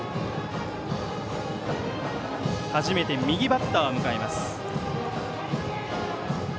初めて右バッターを迎えます。